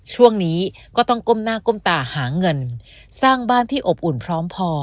ช่วงนี้ก็ต้องก้มหน้าก้มตาหาเงินสร้างบ้านที่อบอุ่นพร้อมพอ